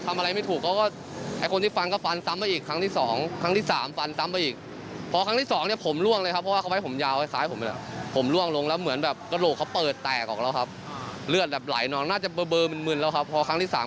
มีประมาณเนี้ยหัวตัดเหมือนน่าจะได้ย่าหัวตัด